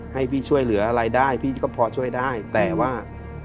ให้พี่ช่วยเหลืออะไรได้พี่ก็พอช่วยได้แต่ว่า